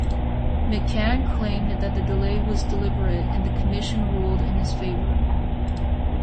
McCann claimed that the delay was deliberate and the commission ruled in his favour.